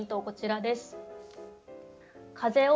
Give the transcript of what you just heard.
こちらです。